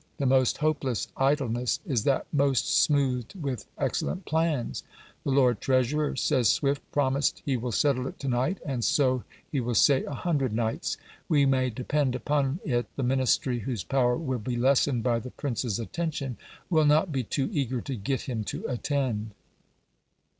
The most hopeless idleness is that most smoothed with excellent plans. "The Lord Treasurer," says Swift, "promised he will settle it to night, and so he will say a hundred nights." We may depend upon it the ministry whose power will be lessened by the prince's attention will not be too eager to get him to attend.